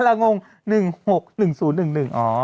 ก็ล่างงง๑๖๑๐๑๑อ๋อ